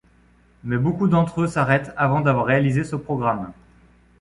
Mais beaucoup d'entre eux s'arrêtent avant d'avoir réalisé ce programme.